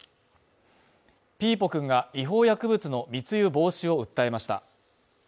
ピーポくんが違法薬物の密輸防止を訴えました。